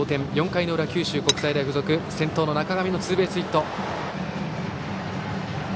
４回の裏、九州国際大付属先頭の中上のツーベースヒット。